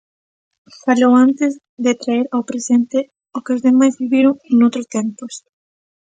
Falou antes de traer ao presente "o que os demais viviron noutros tempos".